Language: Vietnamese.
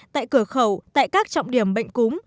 tại cửa khẩu tại các trọng điểm bệnh cúng